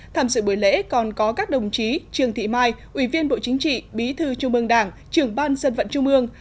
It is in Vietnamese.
tham dự buổi lễ còn có các đồng chí trương thị mai ủy viên bộ chính trị bí thư trung ương đảng trưởng ban dân vận trung ương